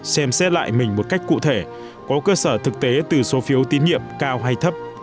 xem xét lại mình một cách cụ thể có cơ sở thực tế từ số phiếu tín nhiệm cao hay thấp